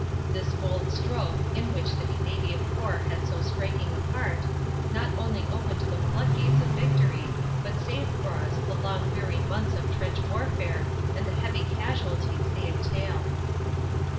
This bold stroke, in which the Ca nadian Corps had so striking a part, not only opened the flood gates of victory but saved for us the long weary months of trench warfare and the heavy casualties they entail.